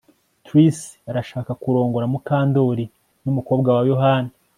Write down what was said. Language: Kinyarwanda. Trix arashaka kurongora Mukandoli numukobwa wa Yohana